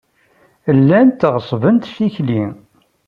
Llant ɣeṣṣbent tikli.